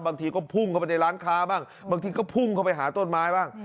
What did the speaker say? บางทีก็พุ่งเข้าไปในร้านค้าบ้างบางทีก็พุ่งเข้าไปหาต้นไม้บ้าง